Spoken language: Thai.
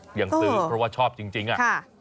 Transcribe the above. ยังซื้อเพราะว่าชอบจริงอะ